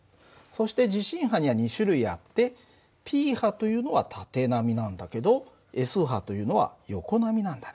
そして地震波には２種類あってＰ波というのは縦波なんだけどＳ波というのは横波なんだね。